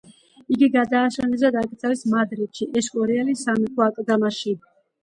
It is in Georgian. იგი გადაასვენეს და დაკრძალეს მადრიდში, ესკორიალის სამეფო აკლდამაში.